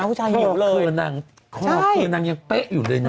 ผู้ชายหิวเลยคือนางยังเป๊ะอยู่เลยเนอะ